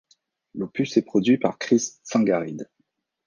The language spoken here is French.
L'opus est produit par Chris Tsangarides.